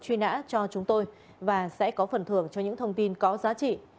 truy nã cho chúng tôi và sẽ có phần thưởng cho những thông tin có giá trị